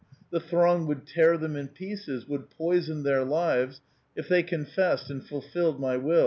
The throng would tear them in pieces, would poison their lives, if they confessed and fulfilled my will.